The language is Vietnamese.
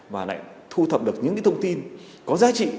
và lại thu thập được những thông tin có giá trị